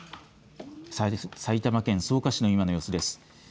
埼玉県草加市の今の様子です。